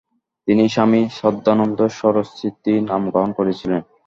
তিনি "স্বামী শ্রদ্ধানন্দ সরস্বতী" নাম গ্রহণ করেছিলেন।